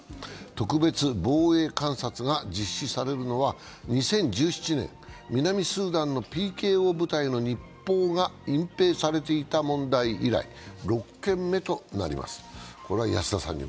特別防衛監察が実施されるのは２０１７年、南スーダンのＰＫＯ部隊の日報が隠ぺいされていた問題以来６件目となります。